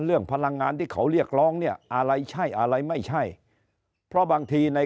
พลังงานที่เขาเรียกร้องเนี่ยอะไรใช่อะไรไม่ใช่เพราะบางทีใน